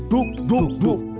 duk duk duk